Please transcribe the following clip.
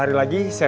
mari pak idan